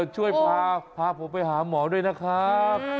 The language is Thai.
ช่วยพาผมไปหาหมอด้วยนะครับ